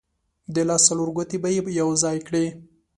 د لاس څلور ګوتې به یې یو ځای کړې.